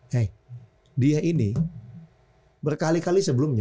hei dia ini berkali kali sebelumnya